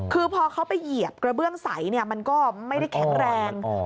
คือพอเขาไปเหยียบกระเบื้องใสมันก็ไม่ได้แข็งแรง